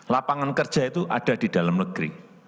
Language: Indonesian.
lapangan kerja itu ada di dalam negeri